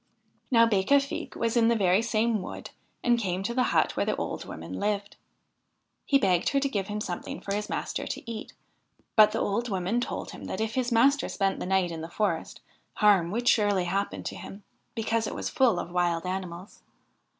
Now Becafigue was in the very same wood, and came to the hut where the old woman lived. He begged her to give him something for his master to eat ; but the old woman told him that if his master spent the night in the forest, harm would surely happen to him, because it was full of wild animals.